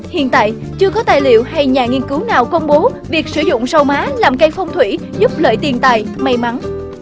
hiện tại chưa có tài liệu hay nhà nghiên cứu nào công bố việc sử dụng sâu má làm cây phong thủy giúp lợi tiền tài may mắn